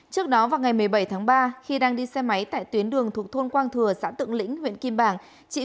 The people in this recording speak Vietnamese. trước đó vào ngày một mươi bảy tháng ba khi đang đi xe máy tại tuyến đường thuộc thôn quang thừa xã tượng lĩnh huyện kim bảng chị